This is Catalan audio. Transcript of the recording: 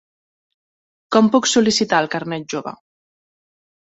Com puc sol·licitar el carnet jove?